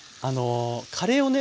カレーをね